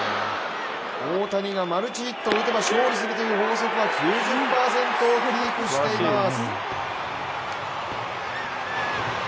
大谷がマルチヒットを打てば勝利するという法則は９０％をキープしています。